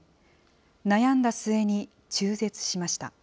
悩んだ末に中絶しました。